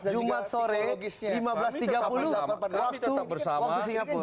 jumat sore lima belas tiga puluh waktu singapura